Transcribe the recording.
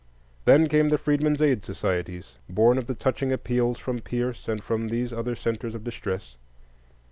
Then came the Freedmen's Aid societies, born of the touching appeals from Pierce and from these other centres of distress.